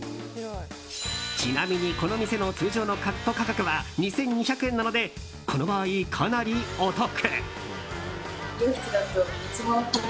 ちなみにこの店の通常のカット価格は２２００円なのでこの場合、かなりお得。